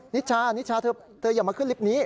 นิชาเธออย่ามาขึ้นลิฟต์นี้